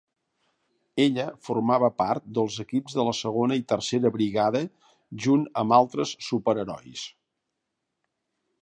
Ella formava part dels equips de la segona i tercera brigada junt amb altres superherois.